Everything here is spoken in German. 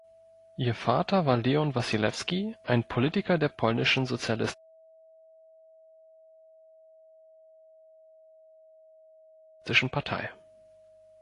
Ihr Vater war Leon Wasilewski, ein Politiker der Polnischen Sozialistischen Partei.